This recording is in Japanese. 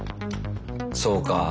そうか。